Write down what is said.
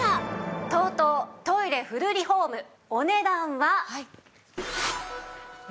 ＴＯＴＯトイレフルリフォームお値段は。